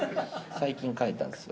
最近変えたんですよ。